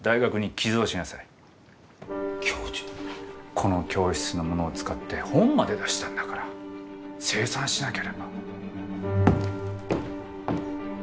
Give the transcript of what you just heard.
この教室のものを使って本まで出したんだから清算しなければ。